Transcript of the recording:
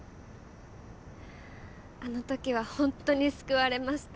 あの時はほんとに救われました。